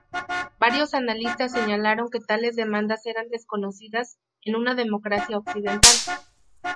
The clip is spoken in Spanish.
Varios analistas señalaron que tales demandas eran desconocidas en una democracia occidental.